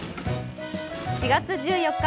４月１４日